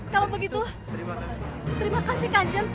kalau begitu terima kasih kanjeng